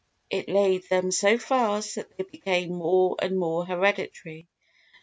It laid them so fast that they became more and more hereditary.